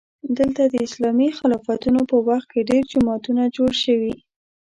دلته د اسلامي خلافتونو په وخت کې ډېر جوماتونه جوړ شوي.